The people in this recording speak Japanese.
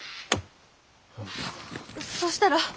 そしたら。